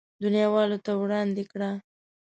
دنياوالو ته وړاندې کړه.